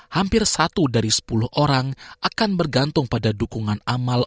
hampir satu dari sepuluh orang akan bergantung pada dukungan amal